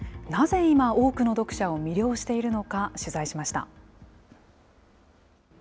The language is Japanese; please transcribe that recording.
なぜ今、多くの読者を魅了しているのか、取材しました。